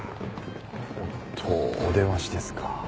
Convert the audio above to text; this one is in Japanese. おっとお出ましですか。